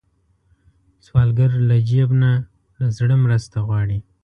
سوالګر له جیب نه، له زړه مرسته غواړي